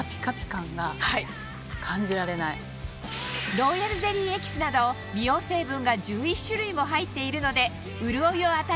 ローヤルゼリーエキスなど美容成分が１１種類も入っているので潤いを与えてくれるんです